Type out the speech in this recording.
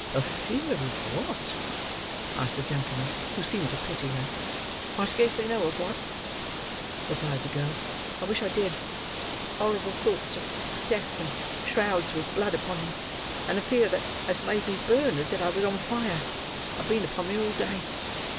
"A fear of what?" asked the gentleman, who seemed to pity her. "I scarcely know of what," replied the girl. "I wish I did. Horrible thoughts of death, and shrouds with blood upon them, and a fear that has made me burn as if I was on fire, have been upon me all day.